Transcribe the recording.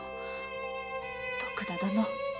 徳田殿。